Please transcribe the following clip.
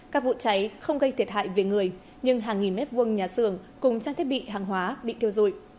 các vụ cháy không gây thiệt hại về người nhưng hàng nghìn mét vuông nhà xưởng cùng trang thiết bị hàng hóa bị thiêu dụi